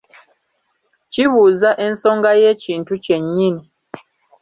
Kibuuza ensoga y'ekintu kyennyini.